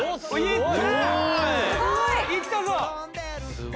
いったぞ！